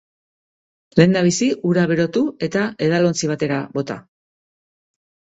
Lehendabizi, ura berotu eta edalontzi batera bota.